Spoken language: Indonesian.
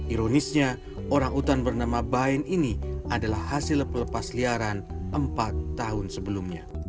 ironisnya orang utan bernama bain ini adalah hasil pelepas liaran empat tahun sebelumnya